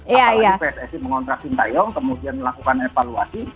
apalagi pssi mengontrak sinta young kemudian melakukan evaluasi